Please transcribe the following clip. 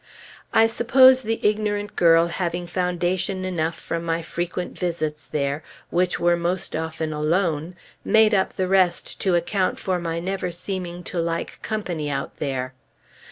I suppose the ignorant girl, having foundation enough from my frequent visits there, which were most often alone, made up the rest to account for my never seeming to like company out there.